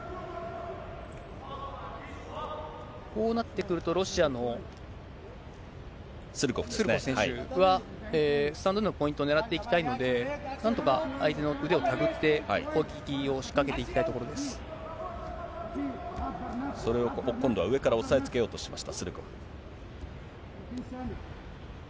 こうなってくると、ロシアのスルコフ選手は、スタンドでのポイントをねらっていきたいので、なんとか相手の腕を手繰って、攻撃を仕掛けていきたいとそれを今度は上から押さえつけようとしました、スルコフ。